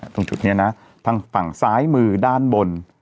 ตรงจุดนี้นะทางฝั่งซ้ายมือด้านบน